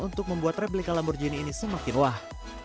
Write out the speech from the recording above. untuk membuat replika lamborghini ini semakin wah